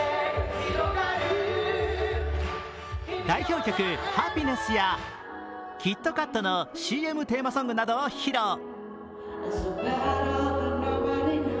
代表曲「ハピネス」やキットカットのＣＭテーマソングなどを披露。